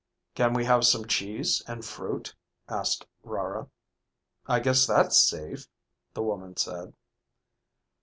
"Can we have some cheese and fruit?" asked Rara. "I guess that's safe," the woman said.